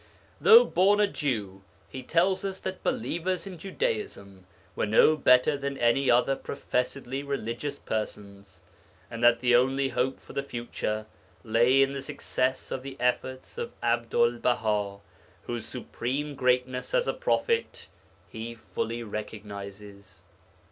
Though born a Jew, he tells us that believers in Judaism were no better than any other professedly religious persons, and that the only hope for the future lay in the success of the efforts of Abdul Baha, whose supreme greatness as a prophet he fully recognizes.